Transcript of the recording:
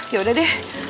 ya udah deh